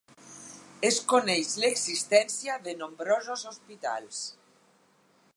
Es coneix l'existència de nombrosos hospitals.